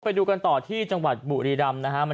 ไปดูกันต่อที่จังหวัดบุรีรำนะฮะ